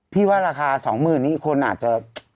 ว่าราคา๒๐๐๐นี้คนอาจจะ